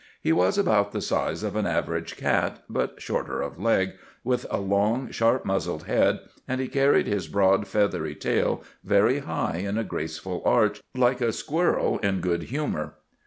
He was about the size of an average cat, but shorter of leg, with a long, sharp muzzled head, and he carried his broad feathery tail very high in a graceful arch, like a squirrel in good humour.